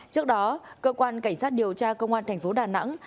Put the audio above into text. trước đó cơ quan cảnh sát điều tra công an tp đà nẵng